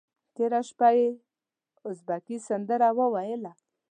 تېره شپه یې ازبکي سندره وویله.